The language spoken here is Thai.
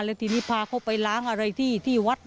แล้วทีนี้พาเขาไปล้างอะไรที่วัด